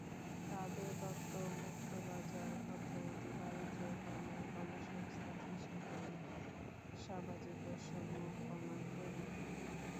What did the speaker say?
তাঁদের তত্ত্ব—মুক্তবাজার অর্থনীতি দারিদ্র্য কমায়, কর্মসংস্থান সৃষ্টি করে, সামাজিক বৈষম্য কমায় প্রভৃতি।